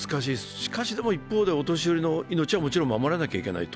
しかし一方でお年寄りの命は守らなきゃいけないと。